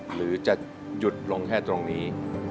หรือจะหยุดลงแค่ตรงนี้